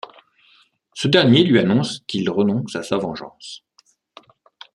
Ce dernier lui annonce qu'il renonce à sa vengeance.